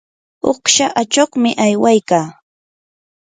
uqsha achuqmi aywaykaa.